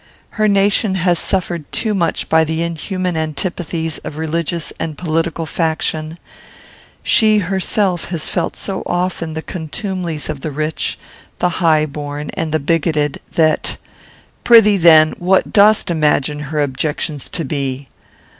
Her nation has suffered too much by the inhuman antipathies of religious and political faction; she, herself, has felt so often the contumelies of the rich, the high born, and the bigoted, that " "Pr'ythee, then, what dost imagine her objections to be?"